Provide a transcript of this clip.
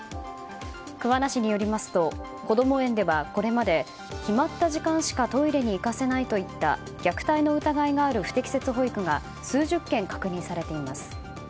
桑名市によりますとこども園ではこれまで決まった時間しかトイレに行かせないといった虐待の疑いがある不適切保育が数十件、確認されています。